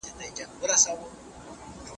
د خلګو په منځ کي د نفاق تخم مه شيندئ.